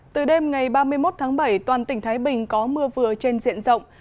từ đêm ngày ba mươi một tháng bảy toàn tỉnh thái bình có mưa vừa trên diện rộng